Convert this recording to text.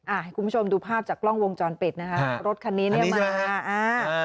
ให้คุณผู้ชมดูภาพจากกล้องวงจรปิดนะคะรถคันนี้เนี่ยมาอ่า